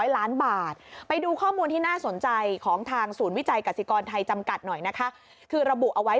ไปดูข้อมูลที่น่าสนใจของทางศูนย์วิจัยกษิกรไทยจำกัดหน่อยนะคะคือระบุเอาไว้